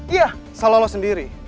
iya salah lo sendiri